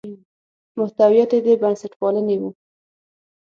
محتویات یې د بنسټپالنې وو.